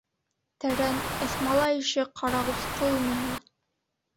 Тәрән, ыҫмала ише ҡарағусҡыл уныһы.